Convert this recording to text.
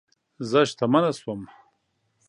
زه شتمنه شوم